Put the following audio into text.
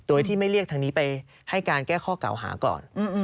โดยที่ไม่เรียกทางนี้ไปให้การแก้ข้อเก่าหาก่อน